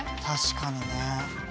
確かにね。